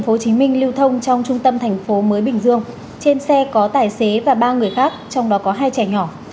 tp hcm lưu thông trong trung tâm thành phố mới bình dương trên xe có tài xế và ba người khác trong đó có hai trẻ nhỏ